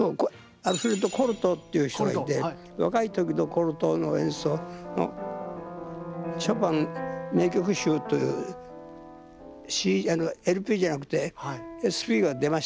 コルトーっていう人がいて若い時のコルトーの演奏のショパン名曲集というＬＰじゃなくてＳＰが出ましたね。